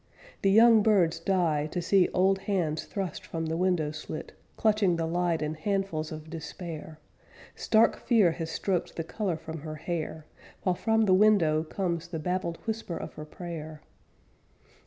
_ The young birds die To see old hands thrust from the window slit, Clutching the light in handfuls of despair; Stark fear has stroked the color from her hair, While from the window comes _The babbled whisper of her prayer.